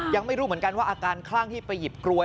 ยังไม่รู้เหมือนกันว่าอาการคลั่งที่ไปหยิบกลวย